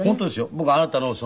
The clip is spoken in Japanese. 僕はあなたの。